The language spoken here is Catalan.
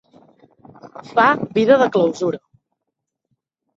Fa vida de clausura.